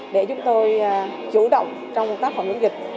để chúng tôi chủ động trong công tác phòng chống dịch